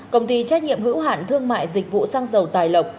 công ty trách nhiệm hữu hạn thương mại dịch vụ xăng dầu tài lộc